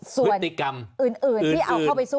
ส่วนอื่นที่เอาเข้าไปสู้